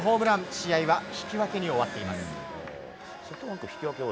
試合は引き分けに終わっています。